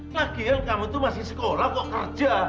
lagian kamu tuh masih sekolah kok kerja